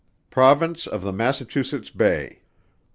_ PROVINCE OF THE MASSACHUSETTS BAY.